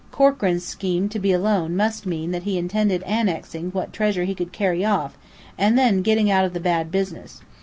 Corkran's scheming to be alone must mean that he intended annexing what treasure he could carry off, and then getting out of the bad business.